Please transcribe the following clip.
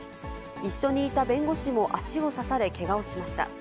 一緒にいた弁護士も足を刺され、けがをしました。